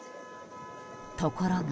ところが。